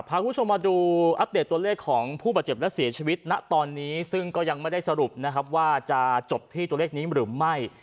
พาคุณผู้ชมมาดูอัปเดตตัวเลขของผู้บาดเจ็บและเสียชีวิตณตอนนี้ซึ่งก็ยังไม่ได้สรุปนะครับว่าจะจบที่ตัวเลขนี้หรือไม่